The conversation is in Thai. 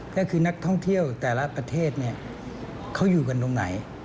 ก็คือนักท่องเที่ยวแต่ละประเทศเนี่ยเขาอยู่กันตรงไหน